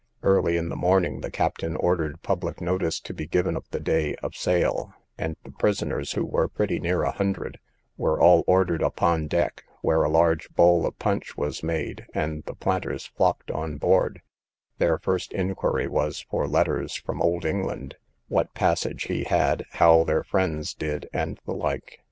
Early in the morning the captain ordered public notice to be given of the day of sale; and the prisoners, who were pretty near a hundred, were all ordered upon deck, where a large bowl of punch was made, and the planters flocked on board; their first inquiry was for letters from old England, what passage he had, how their friends did, and the like.